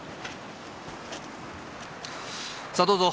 さどうぞ。